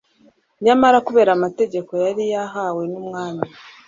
nyamara kubera amategeko yari yahawe n'umwami